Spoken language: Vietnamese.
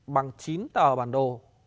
bằng chín tờ bản đồ